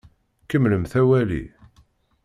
Kemmlemt awali!